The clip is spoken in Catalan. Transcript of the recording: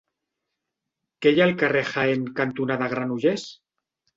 Què hi ha al carrer Jaén cantonada Granollers?